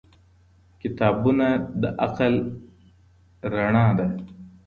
کتابونه د عقل رڼا ده.